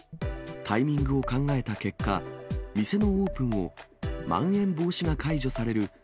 タイミングを考えた結果、店のオープンをまん延防止が解除される